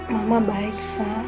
mama baik sa